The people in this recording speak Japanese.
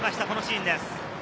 このシーンです。